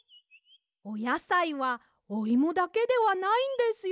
おやさいはおイモだけではないんですよ。